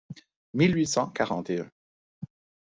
mille huit cent quarante et un.